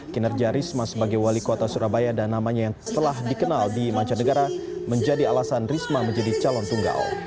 kinerja risma sebagai wali kota surabaya dan namanya yang telah dikenal di mancanegara menjadi alasan risma menjadi calon tunggal